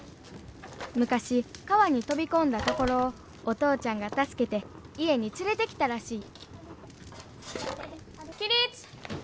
昔川に飛び込んだところをお父ちゃんが助けて家に連れてきたらしい起立！